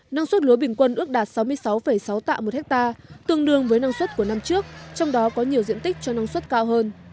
năng suất lúa bình quân ước đạt sáu mươi sáu sáu tạ một ha tương đương với năng suất của năm trước trong đó có nhiều diện tích cho năng suất cao hơn